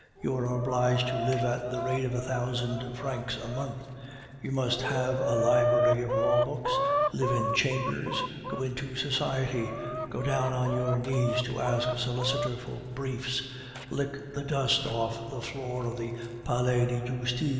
You are obliged to live at the rate of a thousand francs a month; you must have a library of law books, live in chambers, go into society, go down on your knees to ask a solicitor for briefs, lick the dust off the floor of the Palais de Justice.